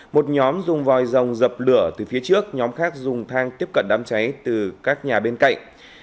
một nhóm dùng vòi rồng dập lửa từ phía trước nhóm khác dùng thang tiếp cận đám cháy từ các nhà bên cạnh